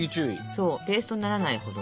そうペーストにならないほどね。